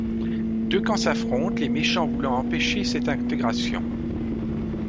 Deux camps s'affrontent, les méchants voulant empêcher cette intégration.